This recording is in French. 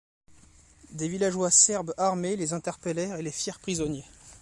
Des villageois serbes armés les interpellèrent et les firent prisonniers.